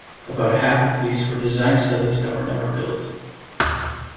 About half of these were design studies that were never built.